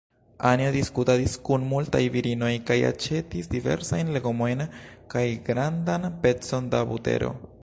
Anjo diskutadis kun multaj virinoj kaj aĉetis diversajn legomojn kaj grandan pecon da butero.